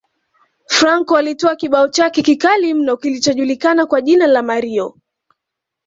Franco alitoa kibao chake kikali mno kilichojulikana kwa jina la Mario